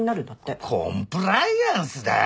コンプライアンスだあ？